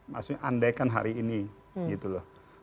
maksudnya andaikan hari ini gitu loh